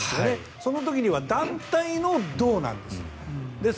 その時は団体の銅なんです。